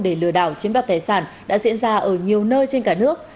để lừa đảo chuyến bắt tài sản đã diễn ra ở nhiều nơi trên cả nước